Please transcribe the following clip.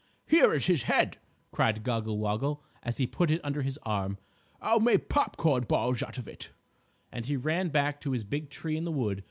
"Here is his head," cried Goggle Woggle, as he put it under his arm. "I'll make pop corn balls out of it," and he ran back to his big tree in the wood.